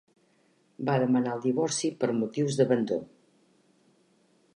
Va demanar el divorci per motius d'abandó.